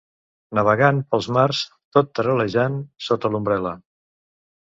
Navegant pels mars tot taral·lejant sota l'ombrel·la.